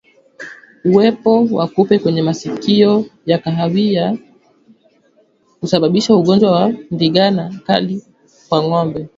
Uwepo wa kupe wenye masikio ya kahawia husababisha ugonjwa wa ndigana kali kwa ngombe